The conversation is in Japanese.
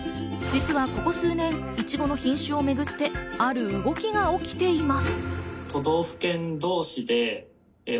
実はここ数年、いちごの品種をめぐってある動きが起きています。